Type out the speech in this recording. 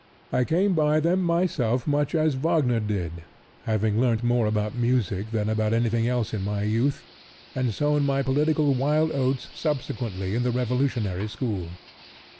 I came by them myself much as Wagner did, having learnt more about music than about anything else in my youth, and sown my political wild oats subsequently in the revolutionary school.